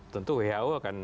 tentu who akan menerapkan